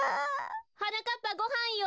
・はなかっぱごはんよ！